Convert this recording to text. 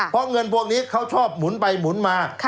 เพราะเงินพวกนี้เขาชอบหมุนไปหมุนมา